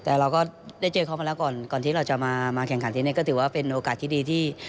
แต่เราก็ได้เจอเขามาแล้วก่อนก่อนที่เราจะมาแข่งขันที่นี่ก็ถือว่าเป็นโอกาสที่ดีที่